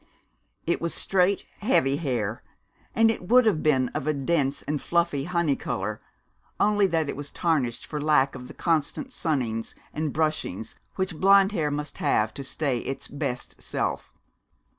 It was straight, heavy hair, and it would have been of a dense and fluffy honey color, only that it was tarnished for lack of the constant sunnings and brushings which blonde hair must have to stay its best self.